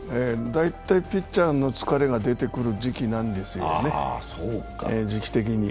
大体ピッチャーの疲れが出てくる時期なんですよね、時期的に。